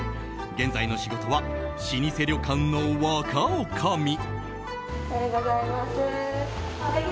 現在の仕事は老舗旅館の若おかみ。